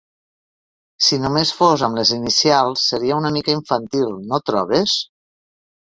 Si només fos amb les inicials seria una mica infantil, no trobes?